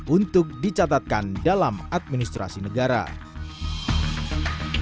untuk dicatatkan dalam administrasi negara selain verdi sambu putri candrawati